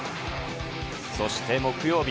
そして木曜日。